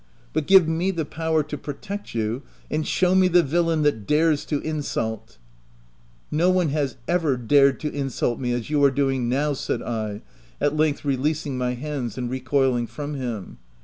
But give me the power to protect you, and show me the villain that dares to insult !"" No one has ever dared to insult me as you are doing now 7 !" said I, at length releasing my hands, and recoiling from him.